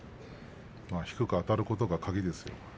低くあたることが鍵です。